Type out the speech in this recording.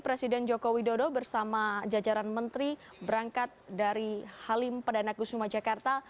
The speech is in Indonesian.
presiden joko widodo bersama jajaran menteri berangkat dari halim padang naku sumajakarta